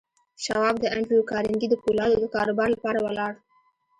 شواب د انډریو کارنګي د پولادو د کاروبار لپاره ولاړ